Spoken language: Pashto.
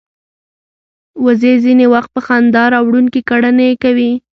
وزې ځینې وخت په خندا راوړونکې کړنې کوي